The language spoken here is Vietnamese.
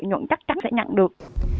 nhuận chắc chắn sẽ nhận được